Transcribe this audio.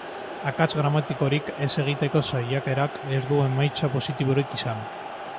Akats gramatikorik ez egiteko saiakerak ez du emaitza positiborik izan.